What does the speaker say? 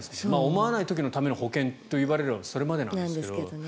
思わない時のための保険と言われればそれまでなんですけど。